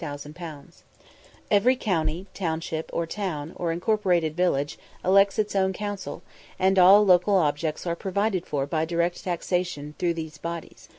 _ Every county, township, town, or incorporated village, elects its own council; and all local objects are provided for by direct taxation through these bodies.